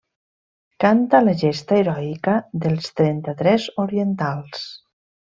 Canta la gesta heroica dels Trenta-tres orientals.